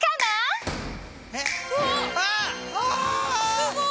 すごい！